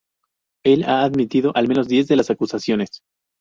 Él ha admitido al menos diez de las acusaciones.